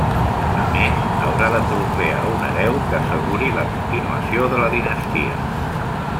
A més, haurà de procrear un hereu que asseguri la continuació de la dinastia.